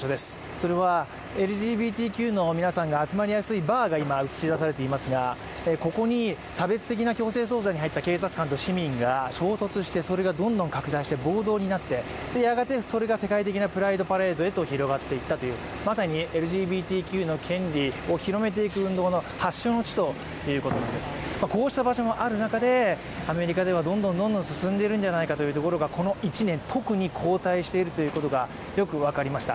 それは、ＬＧＢＴＱの皆さんが集まりやすいバーが映し出されていますがここに差別的な強制捜査に入った警察官と市民が衝突してそれがどんどん拡大して、暴動になってそれがやがて、世界的なプライドパレードに広がっていったという、まさにＬＧＢＴＱの権利を広めていく運動の発祥の地ということなんです、こうした場所もある中でアメリカではどんどんどんどん進んでいるんじゃないかということがこの一年、特に後退しているということがよく分かりました。